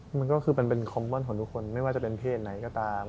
มันก็คือมันเป็นคอมม่อนของทุกคนไม่ว่าจะเป็นเพศไหนก็ตาม